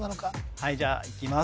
はいじゃあいきます